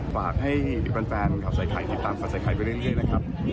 ฝากให้แฟนขาวไส้ไข่ติดตามแฟนข่าวไส้ไข่ก็ได้เรื่องเครื่องครับ